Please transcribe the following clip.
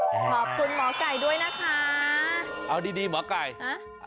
ขอบคุณหมอไก่ด้วยนะคะเอาดีดีหมอไก่ฮะ